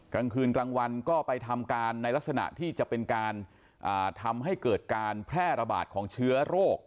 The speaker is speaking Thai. กลางคืนกลางวันก็ไปทำการในลักษณะที่จะเป็นการทำให้เกิดการแพร่ระบาดของเชื้อโรค